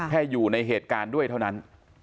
อยู่ในเหตุการณ์ด้วยเท่านั้น